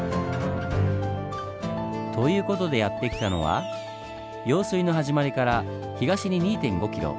という事でやって来たのは用水の始まりから東に２．５ｋｍ。